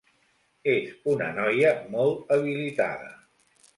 És una noia molt habilitada.